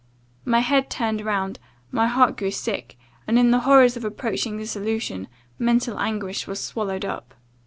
My head turned round, my heart grew sick, and in the horrors of approaching dissolution, mental anguish was swallowed up.